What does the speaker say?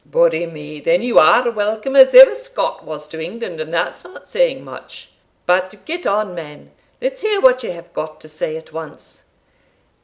"Body o' me! then you are welcome as ever Scot was to England, and that's not saying much. But get on, man let's hear what you have got to say at once."